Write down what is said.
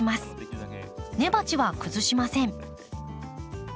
根鉢は崩しません。